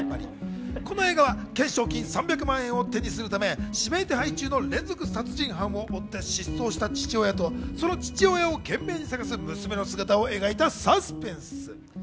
この映画は、賞金３００万円を手にするため、指名手配中の連続殺人犯を追って、失踪した父親とその父親を懸命に探す娘の姿を描いたサスペンス。